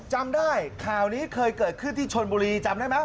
จำได้ข่าวนี้เคยเกิดขึ้นที่ชนบุรีจำได้ไหม